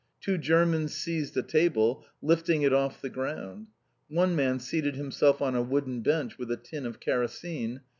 Two Germans seized a table, lifting it off the ground. One man seated himself on a wooden bench with a tin of kerosene.